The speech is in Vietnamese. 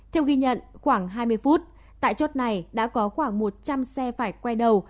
theo ghi nhận khoảng hai mươi phút tại chốt này đã có khoảng một trăm linh xe phải quay đầu